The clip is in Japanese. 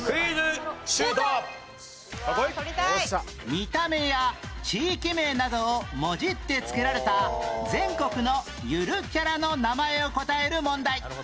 見た目や地域名などをもじって付けられた全国のゆるキャラの名前を答える問題